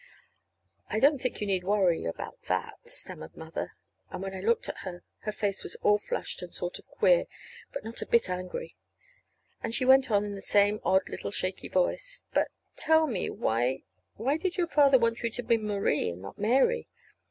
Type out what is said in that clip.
"I don't think you need to worry about that," stammered Mother. And when I looked at her, her face was all flushed, and sort of queer, but not a bit angry. And she went on in the same odd little shaky voice: "But, tell me, why why did your father want you to be Marie and not Mary?"